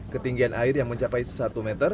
ketinggian air yang mencapai satu meter